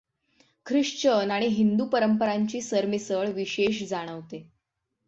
Christian आणि हिंदू परंपरांची सरमिसळ विशेष जाणवते.